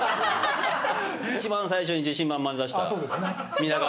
一番最初に自信満々で出した皆川さん。